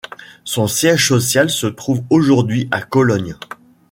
Son siège social se trouve aujourd'hui à Cologne.